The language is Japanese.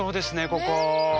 ここ。